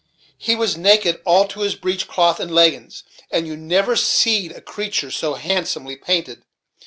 He was naked all to his breech cloth and leggins; and you never seed a creatur' so handsomely painted.